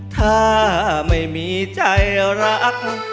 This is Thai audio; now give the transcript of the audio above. ถ้าไม่มีใจรัก